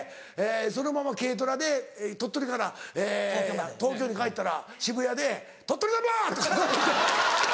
そのまま軽トラで鳥取から東京に帰ったら渋谷で「鳥取ナンバー！」とか言われた。